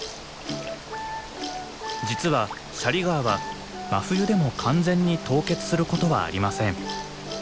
実は斜里川は真冬でも完全に凍結することはありません。